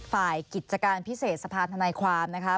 ฝ่ายกิจการพิเศษสภาธนายความนะคะ